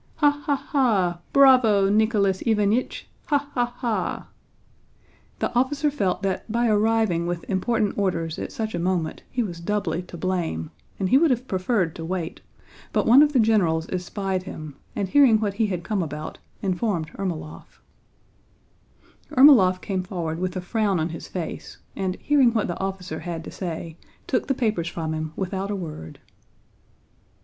"Ha, ha, ha! Bravo, Nicholas Iványch! Ha, ha, ha!" The officer felt that by arriving with important orders at such a moment he was doubly to blame, and he would have preferred to wait; but one of the generals espied him and, hearing what he had come about, informed Ermólov. Ermólov came forward with a frown on his face and, hearing what the officer had to say, took the papers from him without a word.